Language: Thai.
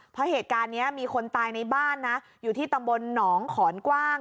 เพราะเหตุการณ์นี้มีคนตายในบ้านนะอยู่ที่ตำบลหนองขอนกว้าง